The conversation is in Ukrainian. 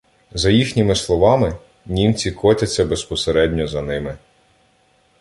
За їхніми словами, німці котяться безпосередньо за ними.